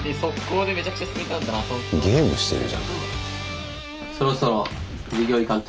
ゲームしてんじゃない。